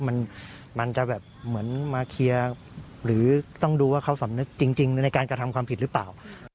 มันมันจะแบบเหมือนมาเคลียร์หรือต้องดูว่าเขาสำนึกจริงในการกระทำความผิดหรือเปล่า